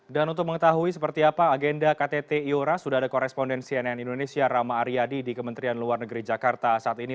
dan untuk mengetahui seperti apa agenda ktt iora sudah ada koresponden cnn indonesia rama aryadi di kementerian luar negeri jakarta saat ini